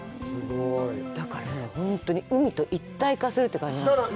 だから、本当に海と一体化するって感じなんです。